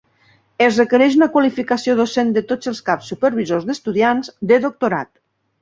Es requereix una qualificació docent de tots els caps supervisors d'estudiants de doctorat.